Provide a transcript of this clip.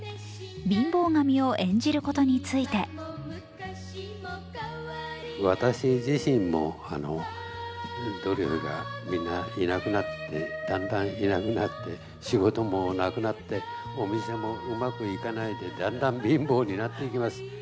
貧乏神を演じることについて私自身もドリフがみんないなくなって、仕事もなくなって、お店もうまくいかないでだんだん貧乏になっていきます。